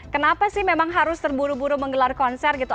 kenapa sih memang harus terburu buru menggelar konser gitu